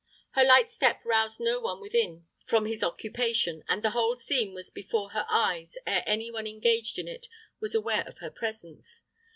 Her light step roused no one within from his occupation, and the whole scene was before her eyes ere any one engaged in it was aware of her presence.